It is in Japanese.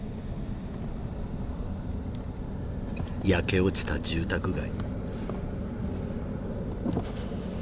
焼け落ちた住宅街。